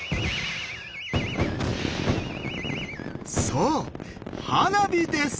そう花火です！